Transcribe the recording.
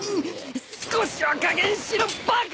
少しは加減しろバカ！